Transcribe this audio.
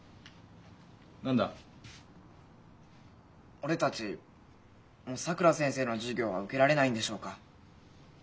俺たちもうさくら先生の授業は受けられないんでしょうか？